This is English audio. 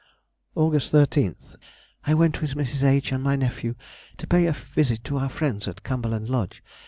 Aug. 13th.—I went with Mrs. H. and my nephew to pay a visit to our friends at Cumberland Lodge.